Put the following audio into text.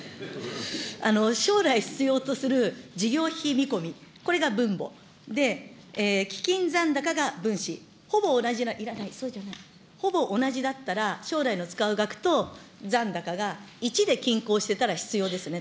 将来必要とする事業費見込み、これが分母で、基金残高が分子、ほぼ同じ、いらない、そうじゃない、ほぼ同じだったら、将来の使う額と残高が１で均衡してたら必要ですね。